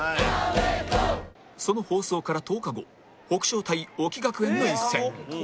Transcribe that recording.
その放送から１０日後北照対沖学園の一戦